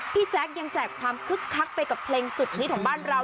แจ๊คยังแจกความคึกคักไปกับเพลงสุดฮิตของบ้านเรา